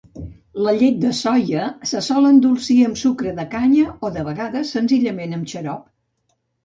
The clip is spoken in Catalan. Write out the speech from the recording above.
La llet de soia se sol endolcir amb sucre de canya o, de vegades, senzillament amb xarop.